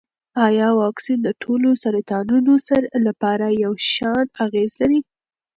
ایا واکسین د ټولو سرطانونو لپاره یو شان اغېز لري؟